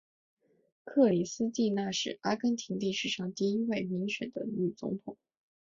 克里斯蒂娜是阿根廷历史上第一位民选的女总统。